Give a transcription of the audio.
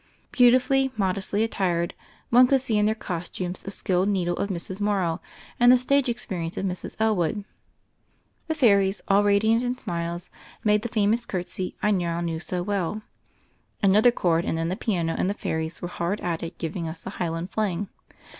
Beautifully, modestly attired— one could see in their costumes, the skilled needle of Mrs. Morrow and the stage experience of Mrs. Elwood — the fairies all radiant in smiles,' made the famous curtsy I now knew so well. Another chord and then the piano and the fairies were hard at it giving us the Highlard Fling.